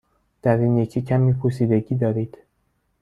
در این یکی کمی پوسیدگی دارید.